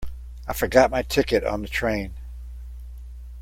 I forgot my ticket on the train.